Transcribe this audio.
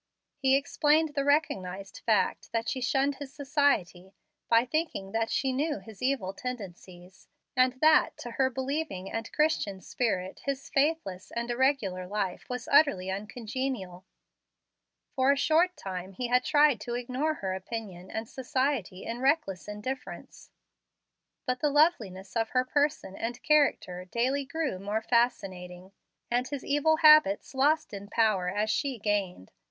He explained the recognized fact that she shunned his society by thinking that she knew his evil tendencies, and that to her believing and Christian spirit his faithless and irregular life was utterly uncongenial. For a short time he had tried to ignore her opinion and society in reckless indifference; but the loveliness of her person and character daily grew more fascinating, and his evil habits lost in power as she gained.